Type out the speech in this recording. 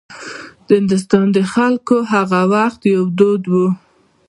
د هندوستان د خلکو هغه وخت یو دود و.